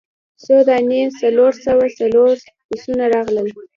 څو دانې څلور سوه څلور بسونه راغلل.